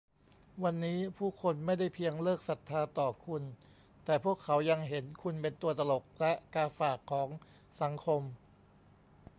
วันนี้ผู้คนไม่ได้เพียงเลิกศรัทธาต่อคุณ แต่พวกเขายังเห็นคุณเป็นตัวตลกและกาฝากของสังคม